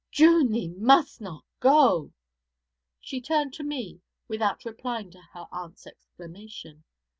'June, thee must not go!' She turned to me, without replying to her aunt's exclamation.